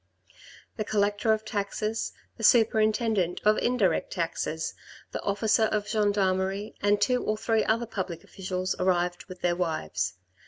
The collector of taxes, the superintendent of indirect taxes, the officer of gendarmerie, and two or three other public officials arrived with their wives.